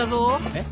えっ？